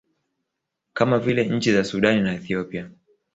kama vile nchi za Sudan na Ethiopia